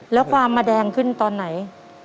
แล้วความมาแดงขึ้นตอนไหน